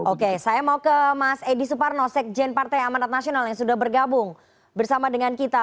oke saya mau ke mas edi suparno sekjen partai amanat nasional yang sudah bergabung bersama dengan kita